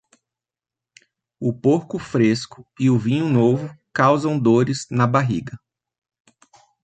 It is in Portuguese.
O porco fresco e o vinho novo causam dores na barriga.